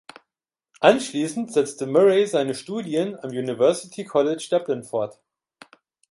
Anschließend setzte Murray seine Studien am University College Dublin fort.